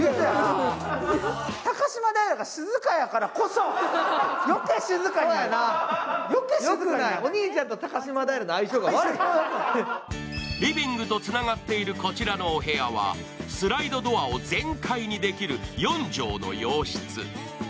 そしてリビングとつながっているこちらのお部屋はスライドドアを全開にできる４畳の洋室。